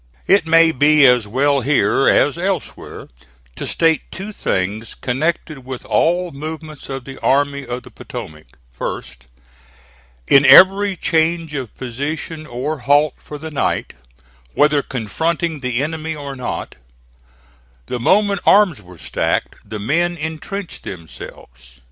It may be as well here as elsewhere to state two things connected with all movements of the Army of the Potomac: first, in every change of position or halt for the night, whether confronting the enemy or not, the moment arms were stacked the men intrenched themselves.